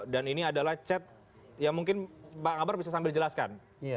dan ini adalah chat yang mungkin pak ngabar bisa sambil jelaskan